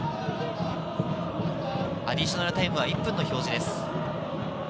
アディショナルタイムは１分の表示です。